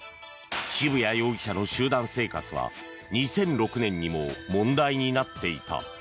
渋谷容疑者の集団生活は２００６年にも問題になっていた。